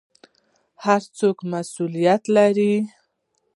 هر څوک مسوولیت لري